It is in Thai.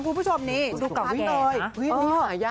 ทุกผู้ชมดูกับวิเนย